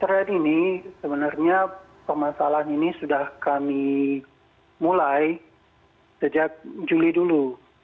trend ini sebenarnya permasalahan ini sudah kami mulai sejak juli dulu